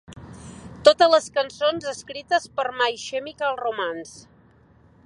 Totes les cançons escrites per My Chemical Romance.